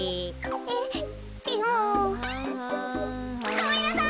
ごめんなさい！